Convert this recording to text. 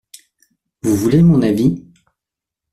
Vous voulez mon avis?